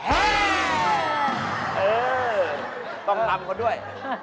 เออต้องลำเขาด้วย